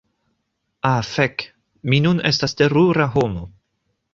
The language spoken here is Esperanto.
Ah fek' mi nun estas terura homo